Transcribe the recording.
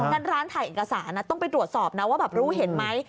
งั้นร้านถ่ายเอกสารต้องไปตรวจสอบนะว่าแบบรู้เห็นไหม